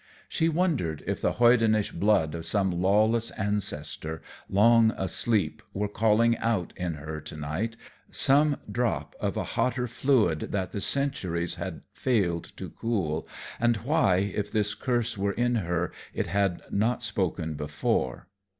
She wondered if the hoydenish blood of some lawless ancestor, long asleep, were calling out in her to night, some drop of a hotter fluid that the centuries had failed to cool, and why, if this curse were in her, it had not spoken before.